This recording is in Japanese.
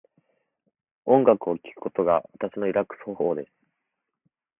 音楽を聴くことが私のリラックス方法です。